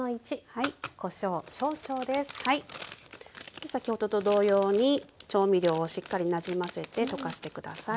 で先ほどと同様に調味料をしっかりなじませて溶かして下さい。